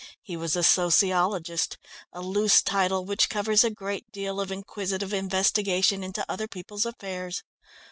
He was a sociologist a loose title which covers a great deal of inquisitive investigation into other people's affairs.